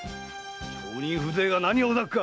町人風情が何をほざくか。